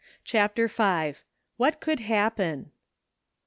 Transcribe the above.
CHAPTER V. "what could happen?"